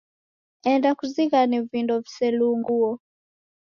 Enda kuzighane vindo viselunguo.